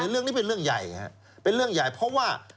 เรื่องนี้เป็นเรื่องใหญ่เพราะว่า